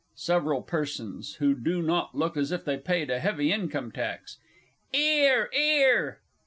SEVERAL PERSONS (who do not look as if they paid a heavy income tax). 'Ear 'ear!